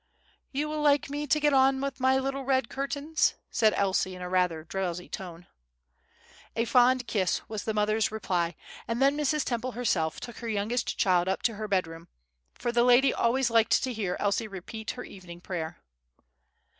"You will like me to get on with my little red curtains?" said Elsie, in rather a drowsy tone. A fond kiss was the mother's reply; and then Mrs. Temple herself took her youngest child up to her bed room, for the lady always liked to hear Elsie repeat her evening prayer.